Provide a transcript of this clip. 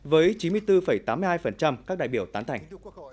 với chín mươi bốn tám mươi hai các đại biểu tán thành